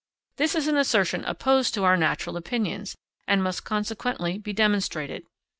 This is an assertion opposed to our natural opinions, and must consequently be demonstrated.